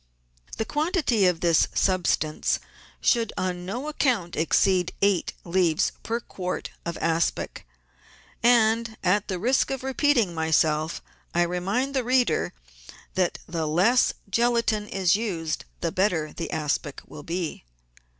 The quantity of this substance should on no account exceed eight leaves per quart of aspic, and, at the risk of repeating myself, I remind the reader that the less gelatine is used the better the aspic will be.